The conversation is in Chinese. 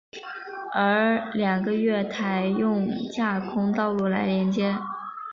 而两个月台用架空道路来连接。